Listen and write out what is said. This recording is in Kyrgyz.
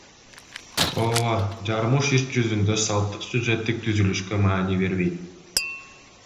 Ооба, Жармуш иш жүзүндө салттык сюжеттик түзүлүшкө маани бербейт.